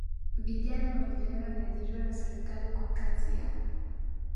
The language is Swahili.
vijana mamilioni waliajiriwa na serikali kwa kazi ya